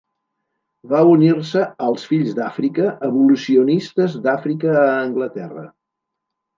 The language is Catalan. Va unir-se als Fills d'Àfrica, abolicionistes d'Àfrica a Anglaterra.